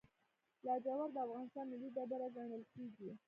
لاجورد د افغانستان ملي ډبره ګڼل کیږي.